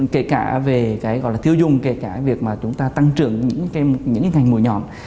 kể cả về cái gọi là tiêu dung kể cả việc mà chúng ta tăng trưởng những cái ngành mùi nhọn